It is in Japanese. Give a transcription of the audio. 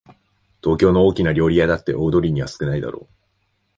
東京の大きな料理屋だって大通りには少ないだろう